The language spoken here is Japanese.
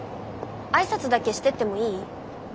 挨拶だけしてってもいい？